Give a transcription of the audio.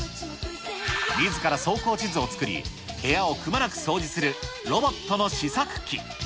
みずから走行地図を作り、部屋をくまなく掃除するロボットの試作機。